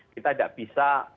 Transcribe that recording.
kita tidak bisa